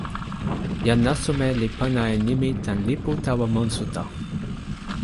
jan Nasume li pana e nimi tan lipu tawa monsuta.